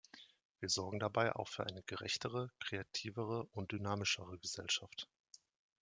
Wir sorgen dabei auch für eine gerechtere, kreativere und dynamischere Gesellschaft.